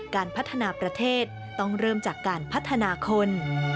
การพัฒนาประเทศต้องเริ่มจากการพัฒนาคน